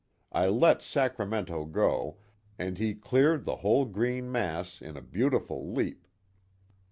I let ' Sacramento ' go, and he cleared the whole green mass in a beautiful leap.